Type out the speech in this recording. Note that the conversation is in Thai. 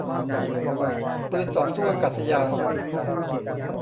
ปืนต่อสู้อากาศยาน